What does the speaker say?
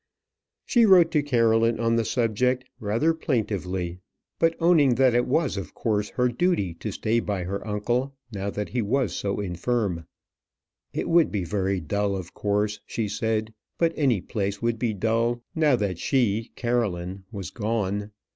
She wrote to Caroline on the subject, rather plaintively; but owning that it was of course her duty to stay by her uncle now that he was so infirm. It would be very dull, of course, she said; but any place would be dull now that she, Caroline, was gone.